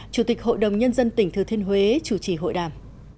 chủ tịch hội đồng nhân dân tỉnh thừa thiên huế chủ trì hội đàm